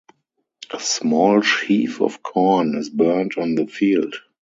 A small sheaf of corn is burnt on the field.